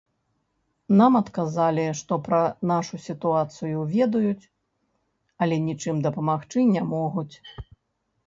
Нам адказалі, што пра нашу сітуацыю ведаюць, але нічым дапамагчы не могуць.